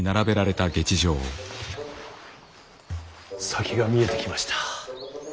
先が見えてきました。